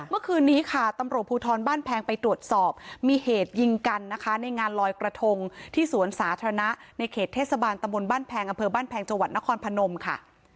เมื่อคืนนี้ค่ะตำรวจภูทรบ้านแพงไปตรวจสอบมีเหตุยิงกันนะคะในงานลอยกระทงที่สวนสาธารณะในเขตเทศบาลตำบลบ้านแพงอำเภอบ้านแพงจังหวัดนครพนมค่ะ